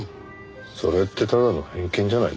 それってただの偏見じゃないですか？